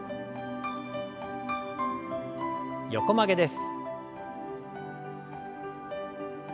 横曲げです。